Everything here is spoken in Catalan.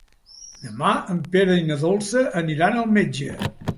Demà en Pere i na Dolça aniran al metge.